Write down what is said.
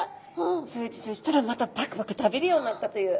数日したらまたパクパク食べるようになったという。